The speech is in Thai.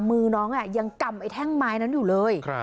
มือน้องยังกำไอ้แท่งไม้นั้นอยู่เลย